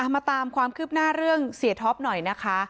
มาตามความคืบหน้าเรื่องเสียท็อปหน่อยนะคะ